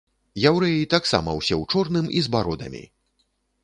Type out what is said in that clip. Яўрэі таксама ўсе ў чорным і з бародамі!